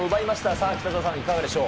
さあ、北澤さん、いかがでしょう。